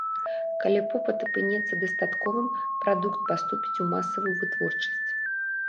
Калі попыт апынецца дастатковым, прадукт паступіць у масавую вытворчасць.